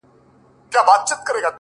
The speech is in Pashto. نوم مي د ليلا په لاس کي وليدی _